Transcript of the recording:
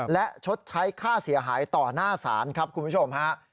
และชดใช้ค่าเสียหายต่อหน้าศาลครับคุณผู้ชมฮะ